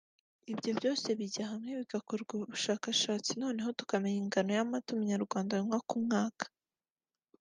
Ibyo byose bijya hamwe bigakorerwa ubushakashatsi noneho tukamenya ingano y’amata umunyarwanda anywa ku mwaka